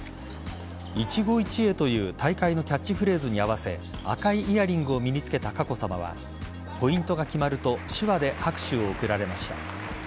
「いちご一会」という大会のキャッチフレーズに合わせ赤いイヤリングを身に着けた佳子さまはポイントが決まると手話で拍手を送られました。